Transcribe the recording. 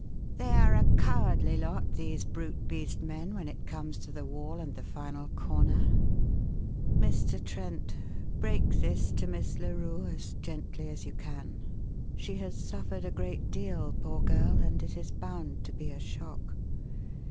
"They are a cowardly lot these brute beast men when it comes to the wall and the final corner. Mr. Trent, break this to Miss Larue as gently as you can. She has suffered a great deal, poor girl, and it is bound to be a shock.